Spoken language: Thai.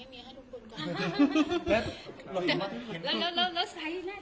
ทุติยังปิตพุทธธาเป็นที่พึ่ง